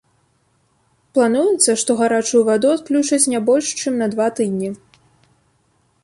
Плануецца, што гарачую ваду адключаць не больш чым на два тыдні.